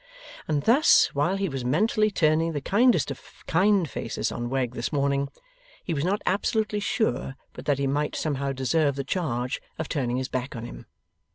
And thus, while he was mentally turning the kindest of kind faces on Wegg this morning, he was not absolutely sure but that he might somehow deserve the charge of turning his back on him.